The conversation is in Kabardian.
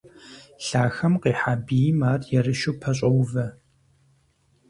Лъахэм къихьа бийм ар ерыщу пэщӀоувэ.